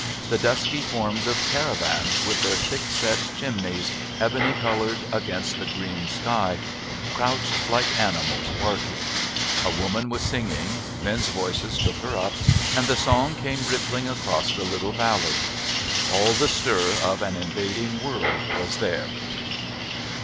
The dusky forms of caravans with their thick set chimneys, ebony coloured against the green sky, crouched like animals barking. A woman was singing, men's voices took her up, and the song came rippling across the little valley. All the stir of an invading world was there.